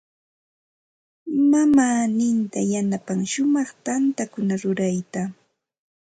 Mamaaninta yanapan shumaq tantakuna rurayta.